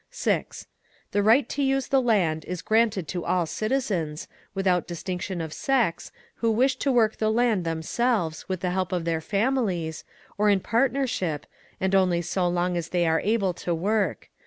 6. The right to use the land is granted to all citizens, without distinction of sex, who wish to work the land themselves, with the help of their families, or in partnership, and only so long as they are able to work.